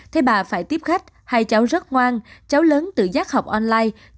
thế bà phải tiếp khách hai cháu rất ngoan cháu lớn tự giác học online